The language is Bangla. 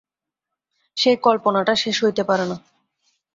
সেই কল্পনাটা সে সইতে পারে না।